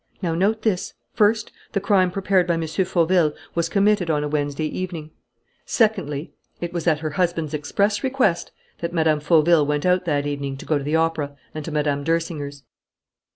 Now note this: first, the crime prepared by M. Fauville was committed on a Wednesday evening; secondly, it was at her husband's express request that Mme. Fauville went out that evening to go to the opera and to Mme. d'Ersinger's."